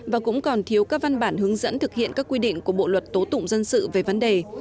và cũng còn thiếu các văn bản hướng dẫn thực hiện các quy định của bộ luật tố tụng dân sự về vấn đề